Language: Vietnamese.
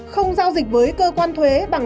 không giao dịch với cơ quan thuế bằng